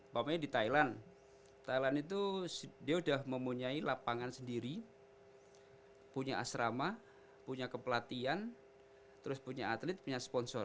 pokoknya di thailand thailand itu dia sudah mempunyai lapangan sendiri punya asrama punya kepelatihan terus punya atlet punya sponsor